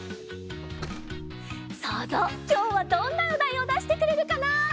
そうぞうきょうはどんなおだいをだしてくれるかな？